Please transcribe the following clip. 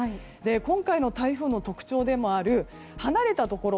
今回の台風の特徴でもある離れたところ